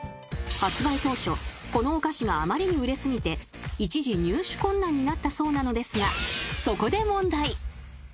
［発売当初このお菓子があまりに売れ過ぎて一時入手困難になったそうなのですがそこで］